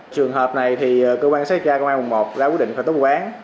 trường hợp này thì cơ quan xét tra công an quận một ra quyết định khởi tố bù quán